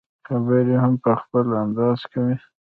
خبرې هم په خپل انداز کوي.